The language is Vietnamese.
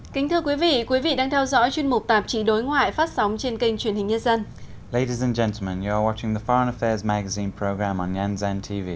các quý vị đang theo dõi chương trình đối ngoại phát sóng trên kênh truyền hình nhân dân